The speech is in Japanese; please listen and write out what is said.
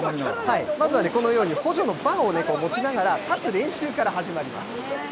まずはね、このように補助のバーを持ちながら、立つ練習から始めます。